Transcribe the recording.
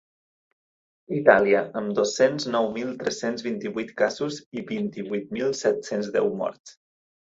Itàlia, amb dos-cents nou mil tres-cents vint-i-vuit casos i vint-i-vuit mil set-cents deu morts.